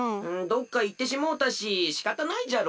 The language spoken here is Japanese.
どっかいってしもうたししかたないじゃろ。